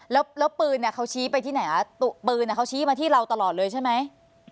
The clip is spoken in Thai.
แล้วปืนเนี่ยเขาชี้ไปที่ไหนปืนเขาชี้มาที่เราตลอดเลยใช่ไหม